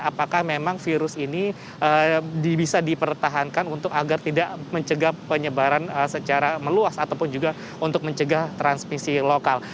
apakah memang virus ini bisa dipertahankan untuk agar tidak mencegah penyebaran secara meluas ataupun juga untuk mencegah transmisi lokal